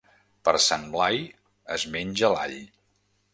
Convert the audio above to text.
Per Sant Blai es menja l'all.